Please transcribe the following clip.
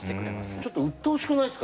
ちょっとうっとうしくないですか？